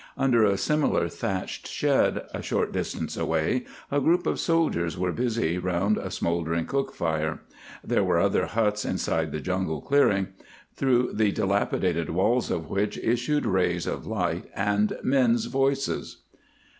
Under a similar thatched shed, a short distance away, a group of soldiers were busy around a smoldering cook fire. There were other huts inside the jungle clearing, through the dilapidated walls of which issued rays of light and men's voices.